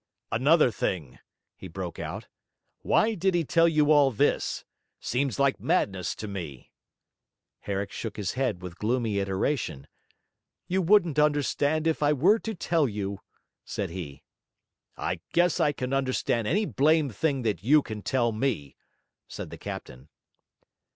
'Another thing!' he broke out. 'Why did he tell you all this? Seems like madness to me!' Herrick shook his head with gloomy iteration. 'You wouldn't understand if I were to tell you,' said he. 'I guess I can understand any blame' thing that you can tell me,' said the captain.